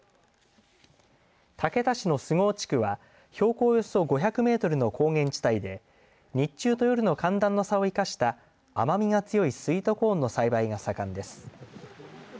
竹田市の菅生地区は標高およそ５００メートルの高原地帯で日中と夜の寒暖の差を生かした甘みが強いスイートコーンの栽培が盛んです。